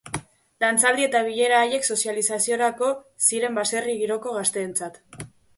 Dantzaldi eta bilera haiek sozializaziorako ziren baserri giroko gazteentzat.